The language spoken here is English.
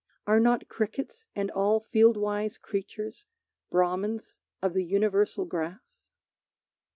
Are not crickets and all field wise creatures Brahmins of the universal grass?